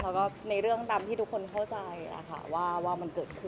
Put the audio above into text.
แล้วก็ในเรื่องตามที่ทุกคนเข้าใจว่ามันเกิดขึ้น